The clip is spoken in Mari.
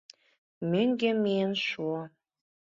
Мӧҥгӧ миен шуо.